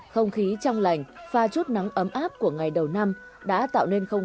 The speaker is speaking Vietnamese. không khí trong lành pha chút nắng ấm áp của ngày đầu năm đã tạo nên khó khăn